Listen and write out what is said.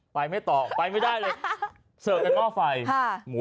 ไปไม่ต่อไปไม่ได้เลยฮะ